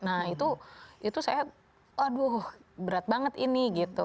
nah itu saya aduh berat banget ini gitu